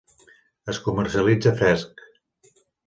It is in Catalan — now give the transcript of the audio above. Es comercialitza fresc.